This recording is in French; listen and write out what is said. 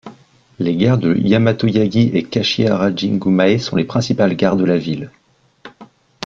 Les gares de Yamato-Yagi et Kashiharajingu-mae sont les principales gares de la ville.